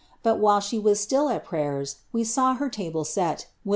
Eul, while she was slill al prayers, we saw lier uble set cui, u.